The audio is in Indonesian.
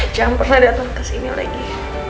jangan pernah dateng kesini lagi